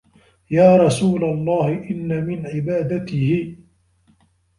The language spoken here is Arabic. يَا رَسُولَ اللَّهِ إنَّ مِنْ عِبَادَتِهِ